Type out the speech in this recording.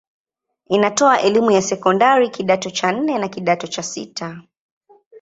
Inatoa elimu ya sekondari kidato cha nne na kidato cha sita.